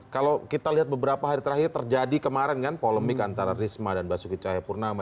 kalau kita lihat beberapa hari terakhir terjadi kemarin kan polemik antara risma dan basuki cahayapurnama